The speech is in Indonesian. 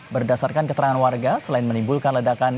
berdasarkan keterangan warga selain menimbulkan ledakan